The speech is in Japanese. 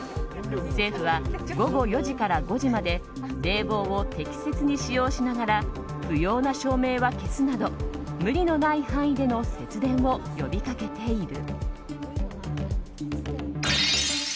政府は午後４時から５時まで冷房を適切に使用しながら不要な照明は消すなど無理のない範囲での節電を呼びかけている。